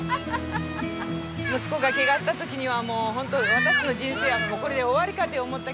息子がケガした時にはもうホント私の人生はこれで終わりかと思ったけどですね。